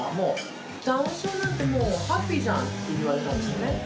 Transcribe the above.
ダウン症なんて、もうハッピーじゃんって言われたんですよね。